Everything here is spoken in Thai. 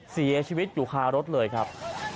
เสียชีวิตอยู่คารถเลยครับ